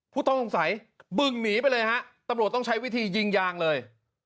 ผู้ต้องสงสัยบึงหนีไปเลยฮะตำรวจต้องใช้วิธียิงยางเลย